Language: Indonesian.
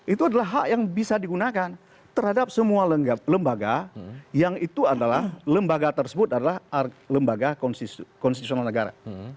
itu adalah hak yang bisa digunakan terhadap semua lembaga yang itu adalah lembaga tersebut adalah lembaga konstitusional negara